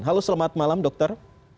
halo selamat malam dokter